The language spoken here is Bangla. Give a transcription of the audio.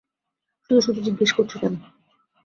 শুধু-শুধু জিজ্ঞেস করছ, কেন?